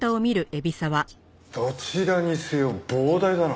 どちらにせよ膨大だな。